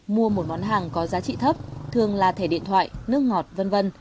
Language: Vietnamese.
mua một món hàng có giá trị thấp thường là thẻ điện thoại nước ngọt v v